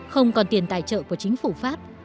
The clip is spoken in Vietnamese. không còn tiền tài trợ của chính phủ pháp